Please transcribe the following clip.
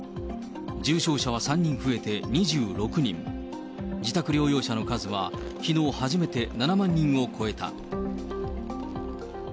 重症者は３人増えて２６人、自宅療養者の数はきのう初めて７万人を超えた。